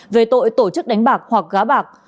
về tội tổ chức đánh bạc hoặc gá bạc